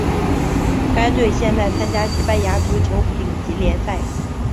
该队现在参加西班牙足球丙级联赛。